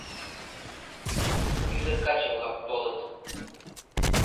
Ӱдыр-каче-влак толыт.